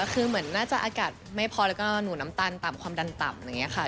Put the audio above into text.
คือเหมือนน่าจะอากาศไม่พอแล้วก็หนูน้ำตาลตามความดันต่ำ